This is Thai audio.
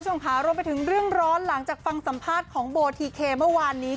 คุณผู้ชมค่ะรวมไปถึงเรื่องร้อนหลังจากฟังสัมภาษณ์ของโบทีเคเมื่อวานนี้